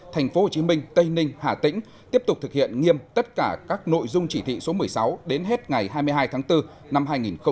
tp hcm tây ninh hà tĩnh tiếp tục thực hiện nghiêm tất cả các nội dung chỉ thị số một mươi sáu đến hết ngày hai mươi hai tháng bốn năm hai nghìn hai mươi